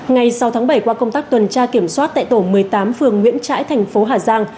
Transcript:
ngày sáu tháng bảy qua công tác tuần tra kiểm soát tại tổ một mươi tám phường nguyễn trãi thành phố hà giang